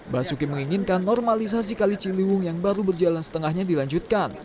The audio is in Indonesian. basuki menginginkan normalisasi kali ciliwung yang baru berjalan setengahnya dilanjutkan